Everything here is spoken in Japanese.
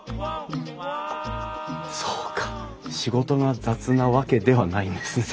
そうか仕事が雑なわけではないんですね。